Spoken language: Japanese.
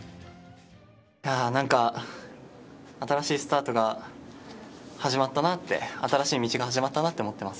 なんか、新しいスタートが始まったなって、新しい道が始まったなって思ってます。